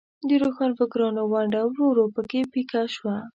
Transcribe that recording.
د روښانفکرانو ونډه ورو ورو په کې پیکه شوه.